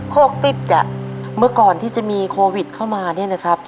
หกปิดอ่ะเมื่อก่อนที่จะมีโควิดเข้ามาเนี่ยนะครับ